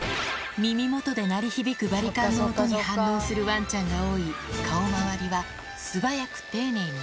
耳元で鳴り響くバリカンの音に反応するわんちゃんが多い顔まわりは素早く丁寧に。